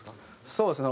そうですね。